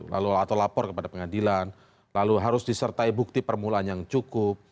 lalu atau lapor kepada pengadilan lalu harus disertai bukti permulaan yang cukup